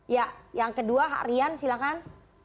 ya yang kedua rian silahkan